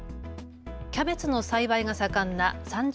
キャベツの栽培が盛んな三条